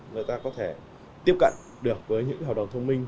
người ta có thể tiếp cận được với những hợp đồng thông minh